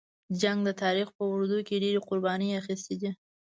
جنګ د تاریخ په اوږدو کې ډېرې قربانۍ اخیستې دي.